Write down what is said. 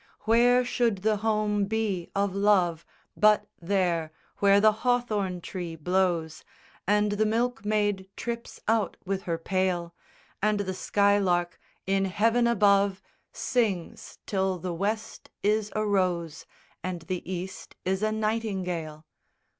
_ III Where should the home be of Love, But there, where the hawthorn tree blows, And the milkmaid trips out with her pail, And the skylark in heaven above Sings, till the West is a rose And the East is a nightingale?